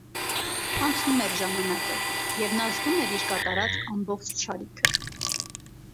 Անցնում էր ժամանակը և նա զգում էր իր կատարած ամբողջ չարիքը։